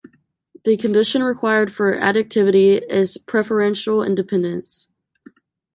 The condition required for additivity is preferential independence.